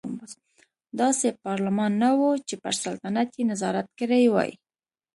داسې پارلمان نه و چې پر سلطنت یې نظارت کړی وای.